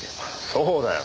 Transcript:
そうだよ。